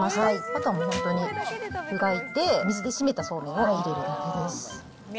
あとはもう本当に、湯がいて水で締めたそうめんを入れるだけです。